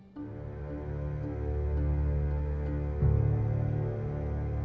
โปรดติดตามตอนต่อไป